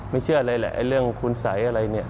เชื่ออะไรแหละเรื่องคุณสัยอะไรเนี่ย